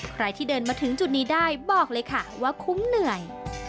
ใครที่เดินมาถึงจุดนี้ได้บอกเลยค่ะว่าคุ้มเหนื่อย